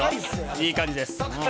いい感じです。